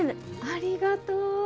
ありがとう。